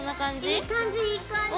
いい感じいい感じ！